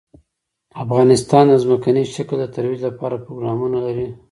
افغانستان د ځمکنی شکل د ترویج لپاره پروګرامونه لري.